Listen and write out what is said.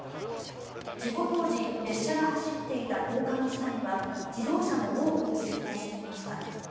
事故当時列車が走っていた高架の下には自動車も多く通行していました。